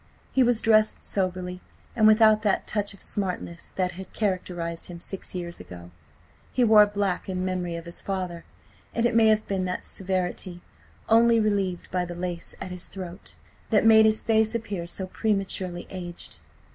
He was dressed soberly, and without that touch of smartness that had characterised him six years ago. He wore black in memory of his father, and it may have been that severity, only relieved by the lace at his throat, that made his face appear so prematurely aged.